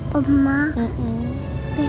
besok ketemu bu